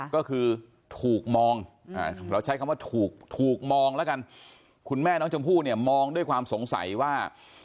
ก็คือถูกมองเราใช้คำว่าถูกมองแล้วกันคุณแม่น้องชมพู่เนี่ยมองด้วยความสงสัยว่า